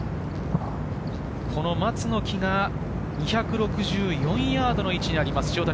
この松の木が２６４ヤードの位置にあります。